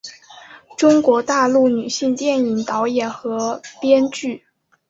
中国大陆女性电影导演和编剧。